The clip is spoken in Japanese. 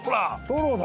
トロだ。